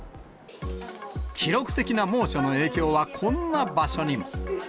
記録的な猛暑の影響は、こんな場所にも。